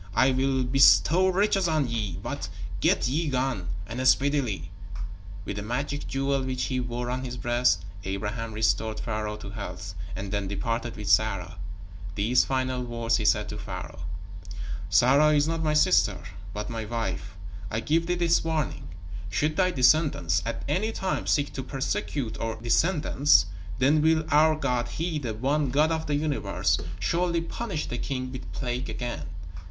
I will bestow riches on ye, but get ye gone, and speedily." With a magic jewel which he wore on his breast, Abraham restored Pharaoh to health, and then departed with Sarah. These final words he said to Pharaoh: "Sarah is not my sister, but my wife. I give thee this warning. Should thy descendants at any time seek to persecute our descendants, then will our God, He, the One God of the universe, surely punish the king with plague again."